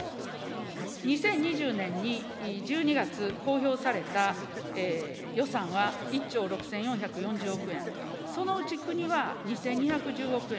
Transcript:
２０２０年に１２月公表された予算は１兆６４４０億円、そのうち国は２２１０億円。